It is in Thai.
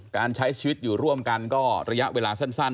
การใช้ชีวิตอยู่ร่วมกันก็ระยะเวลาสั้น